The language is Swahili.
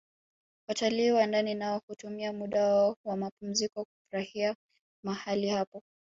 Watalii wa ndani nao hutumia muda wao wa mapumziko kufurahia mahali hapo